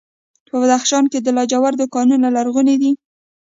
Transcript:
په بدخشان کې د لاجوردو کانونه لرغوني دي